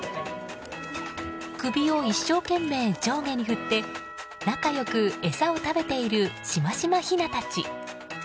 首を一生懸命、上下に振って仲良く餌を食べているしましまひなたち。